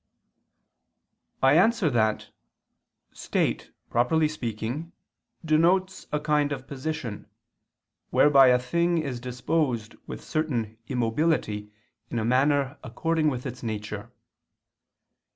I answer that, "State," properly speaking, denotes a kind of position, whereby a thing is disposed with a certain immobility in a manner according with its nature.